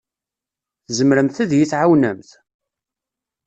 Tzemremt ad iyi-tɛawnemt?